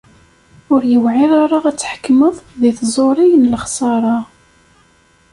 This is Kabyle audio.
Ur yewεir ara ad tḥekmeḍ deg tẓuri n lexsara.